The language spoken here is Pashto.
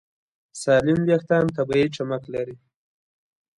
سالم وېښتيان طبیعي چمک لري.